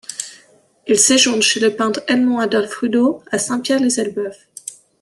Il séjourne chez le peintre Edmond-Adolphe Rudaux à Saint-Pierre-lès-Elbeuf.